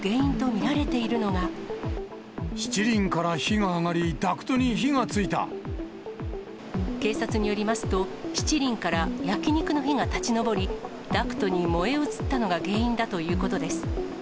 しちりんから火が上がり、警察によりますと、しちりんから焼き肉の火が立ちのぼり、ダクトに燃え移ったのが原因だということです。